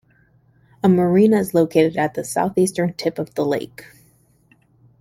A marina is located at the southeastern tip of the lake.